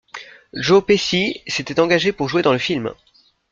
Joe Pesci s'était engagé pour jouer dans le film.